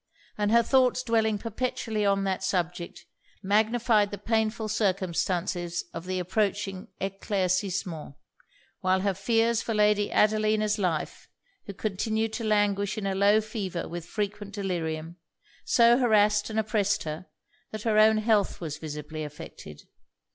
And her thoughts dwelling perpetually on that subject, magnified the painful circumstances of the approaching éclaircissemen; while her fears for Lady Adelina's life, who continued to languish in a low fever with frequent delirium, so harrassed and oppressed her, that her own health was visibly affected.